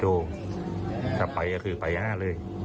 แต่กลับไปก็ไปหน้าเลย